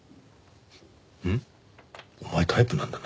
ん？お前タイプなんだな？